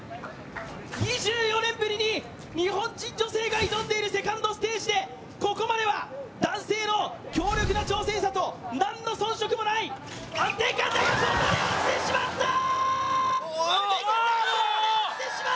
２４年ぶりに日本人女性が挑んでいるセカンドステージでここまでは男性の強力な挑戦者と何の遜色もない安定感落ちてしまったー！！